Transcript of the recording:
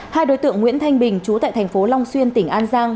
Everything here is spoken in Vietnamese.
hai đối tượng nguyễn thanh bình chú tại thành phố long xuyên tỉnh an giang